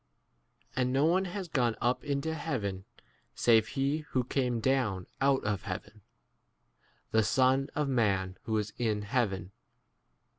And no one has gone up into heaven save he who came down out of heaven, the Son 14 of man who is in heaven.